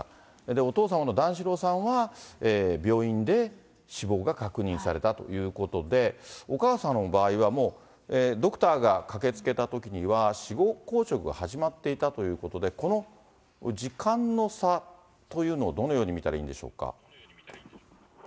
お父様の段四郎さんは病院で死亡が確認されたということで、お母さんの場合は、もうドクターが駆けつけたときには、死後硬直が始まっていたということで、この時間の差というのを、どのように見たらいいんでしょうか。